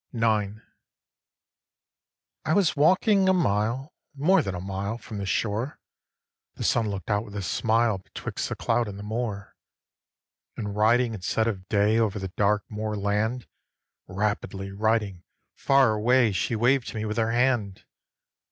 IX. I was walking a mile, More than a mile from the shore, The sun look'd out with a smile Betwixt the cloud and the moor, And riding at set of day Over the dark moor land, Rapidly riding far away, She waved to me with her hand.